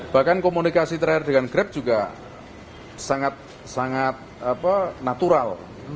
bahkan komunikasi terakhir dengan grab juga sangat sangat natural